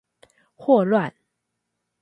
霍亂